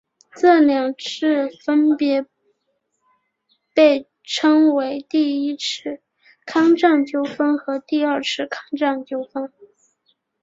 这两次分别被称为第一次康藏纠纷和第二次康藏纠纷。